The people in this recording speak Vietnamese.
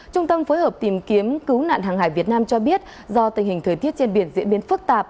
trung tâm phối hợp tìm kiếm cứu nạn hàng hải việt nam cho biết do tình hình thời tiết trên biển diễn biến phức tạp